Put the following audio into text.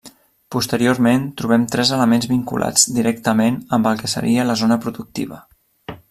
Posteriorment trobem tres elements vinculats directament amb el que seria la zona productiva.